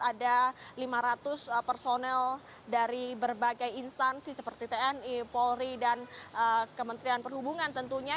ada lima ratus personel dari berbagai instansi seperti tni polri dan kementerian perhubungan tentunya